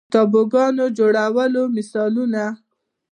د تابوګانو جوړولو مثالونه